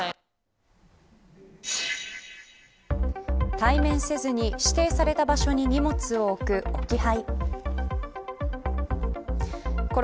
対面せずに指定された場所に荷物を置く、置き配。